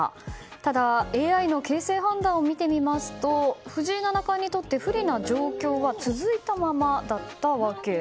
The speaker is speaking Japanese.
ただ、ＡＩの形勢判断を見てみますと藤井七冠にとって不利な状況は続いたままでした。